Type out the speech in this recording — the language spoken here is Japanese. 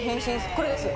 これです。